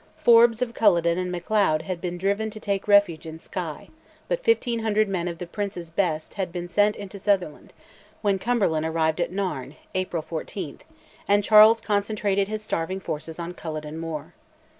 Forbes of Culloden and Macleod had been driven to take refuge in Skye; but 1500 men of the Prince's best had been sent into Sutherland, when Cumberland arrived at Nairn (April 14), and Charles concentrated his starving forces on Culloden Moor.